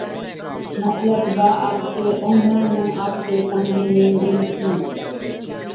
مطلب وا آپڪي اوڍڻا نُون آپڪي ڪانڌي ۾ بيڙھتِي